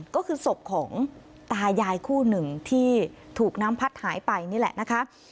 ก็คือศพของตายายคู่หนึ่งที่ถูกน้ำพัดหายไปนี่แหละนะคะ